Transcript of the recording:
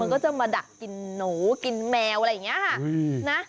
ก็จะมาดักกินหนูกินแมวอะไรอย่างนี้ค่ะนะ